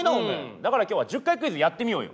だから今日は１０回クイズやってみようよ。